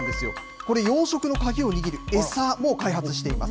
これ、養殖の鍵を握る餌も開発しています。